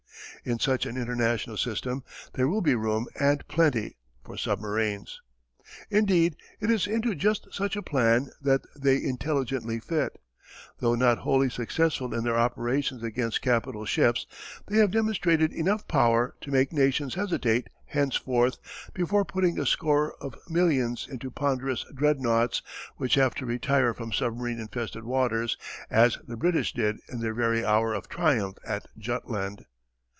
In such an international system there will be room and plenty for submarines. Indeed it is into just such a plan that they intelligently fit. Though not wholly successful in their operations against capital ships, they have demonstrated enough power to make nations hesitate henceforth before putting a score of millions into ponderous dreadnoughts which have to retire from submarine infested waters as the British did in their very hour of triumph at Jutland.